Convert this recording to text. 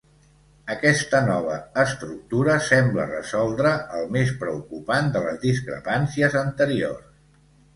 Aquesta nova estructura sembla resoldre el més preocupant de les discrepàncies anteriors.